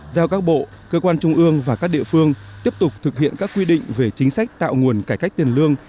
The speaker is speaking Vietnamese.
giao các bộ cơ quan trung ương và các địa phương tiếp tục thực hiện các quy định về chính sách tạo nguồn cải cách tiền lương